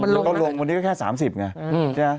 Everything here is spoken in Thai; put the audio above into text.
มันก็ลงวันนี้ก็แค่๓๐ไง